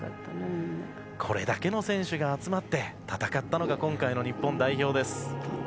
これだけの選手が集まって戦ったのが今回の日本代表です。